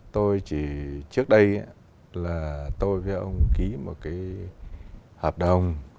tôi chỉ trước đây là tôi với ông ký một cái hợp đồng